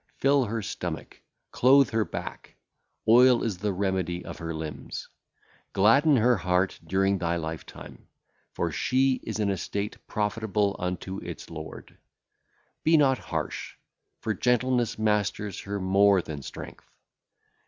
Fill her stomach, clothe her back; oil is the remedy of her limbs. Gladden her heart during thy lifetime, for she is an estate profitable unto its lord. Be not harsh, for gentleness mastereth her more than strength.